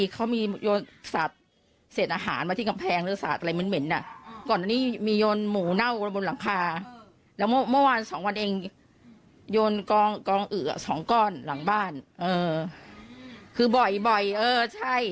คือว่าอย่ามายุ่งอย่ามายุ่งบ้านฉันต่างคนต่างไป